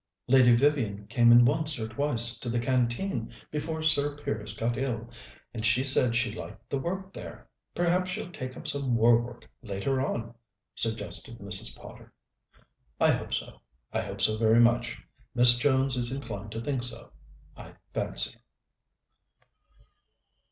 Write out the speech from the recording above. "Lady Vivian came in once or twice to the Canteen, before Sir Piers got ill, and she said she liked the work there. Perhaps she'll take up some war work later on," suggested Mrs. Potter. "I hope so I hope so very much. Miss Jones is inclined to think so, I fancy."